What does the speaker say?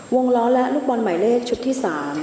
ล้อและลูกบอลหมายเลขชุดที่๓